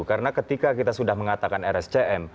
karena ketika kita sudah mengatakan rscm